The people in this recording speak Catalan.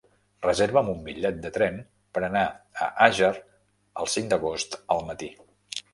Reserva'm un bitllet de tren per anar a Àger el cinc d'agost al matí.